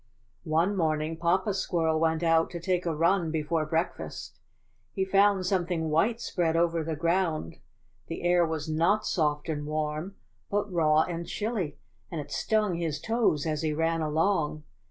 ^^One morning Papa Squirrel went out to take a run before breakfast. He found some thing white spread over the ground; the air was not soft and warm but raw and chilly, and it stung his toes as he ran along.